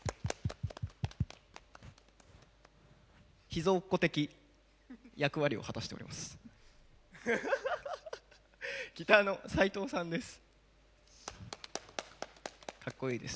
秘蔵っ子的役割を果たしています。